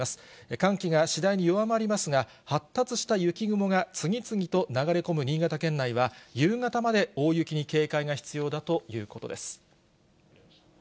寒気が次第に弱まりますが、発達した雪雲が次々と流れ込む新潟県内は、夕方まで大雪に警戒が必要だということです。